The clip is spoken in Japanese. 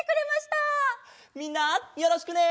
みんなよろしくね！